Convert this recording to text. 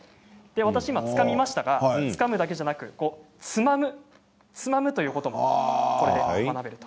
私は今つかみましたがつかむだけでなくつまむということもこれで学べると。